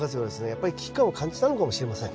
やっぱり危機感を感じたのかもしれません。